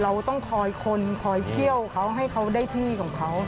เราต้องคอยคนคอยเขี้ยวเขาให้เขาได้ที่ของเขา